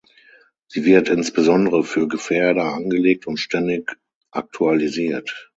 Sie wird insbesondere für Gefährder angelegt und ständig aktualisiert.